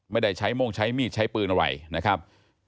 ไม่ได้ใช้โม่งใช้มีดใช้ปืนอะไรนะครับ